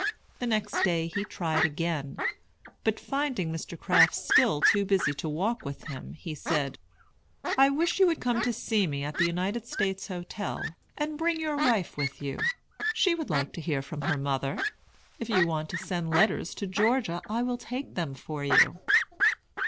The next day he tried again; but finding Mr. Crafts still too busy to walk with him, he said: "I wish you would come to see me at the United States Hotel, and bring your wife with you. She would like to hear from her mother. If you want to send letters to Georgia, I will take them for you."